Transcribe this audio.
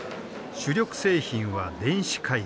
主力製品は電子回路。